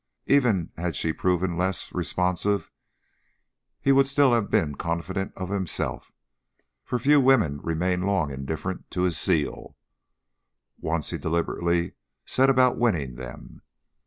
Even had she proven less responsive, he would still have been confident of himself, for few women remained long indifferent to his zeal, once he deliberately set about winning them.